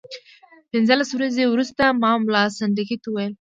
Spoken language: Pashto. پنځلس ورځې وروسته ما ملا سنډکي ته وویل.